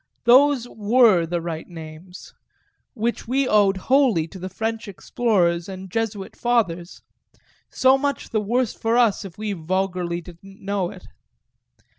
Those were the right names which we owed wholly to the French explorers and Jesuit Fathers; so much the worse for us if we vulgarly didn't know it.